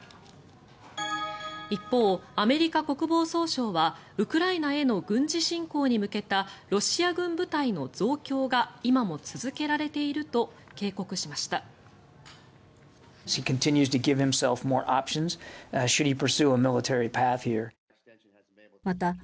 一方、アメリカ国防総省はウクライナへの軍事侵攻に向けたロシア軍部隊の増強が今も続けられていると警告しました。